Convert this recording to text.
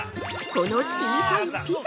◆この小さいピザ。